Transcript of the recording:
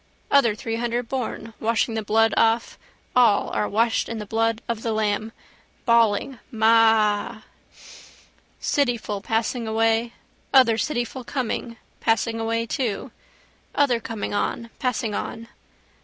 Other three hundred born, washing the blood off, all are washed in the blood of the lamb, bawling maaaaaa. Cityful passing away, other cityful coming, passing away too: other coming on, passing on.